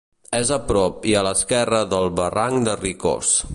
És a prop i a l'esquerra del barranc de Ricós.